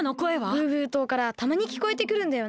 ブーブー島からたまにきこえてくるんだよね。